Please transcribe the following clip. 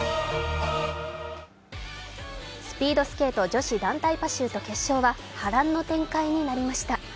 スピードスケート団体パシュート決勝は波乱の展開になりました。